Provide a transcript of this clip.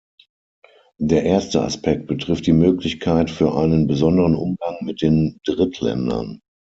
Der erste Aspekt betrifft die Möglichkeit für einen besonderen Umgang mit den Drittländern.